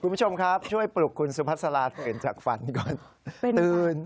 คุณผู้ชมครับช่วยปลูกคุณสุพัฒนาเผ็ดจากฝันก่อน